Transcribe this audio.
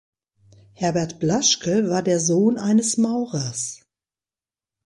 Herbert Blaschke war der Sohn eines Maurers.